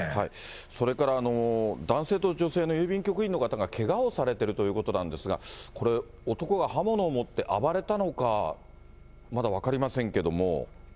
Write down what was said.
それから男性と女性の郵便局員の方が、けがをされてるということなんですが、これ男が刃物を持って暴れたのか、まだ分かりませんけども。